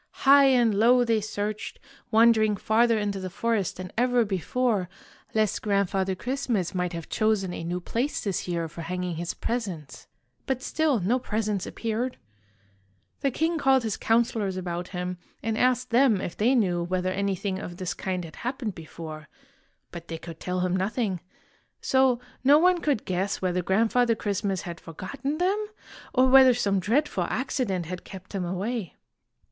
High and low they searched, wandering farther into the forest than ever before, lest Grand father Christmas might have chosen a new place this year for hanging his presents; but still no presents appeared. The king called his counselors about him, and asked them if they knew whether anything of this kind had happened before, but they could tell him nothing. So no one could guess whether Grandfather Christmas had forgotten them, or whether some dreadful accident had kept him away.